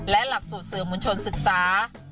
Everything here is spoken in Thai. และหลักสูตรสื่อมวลชนศึกษา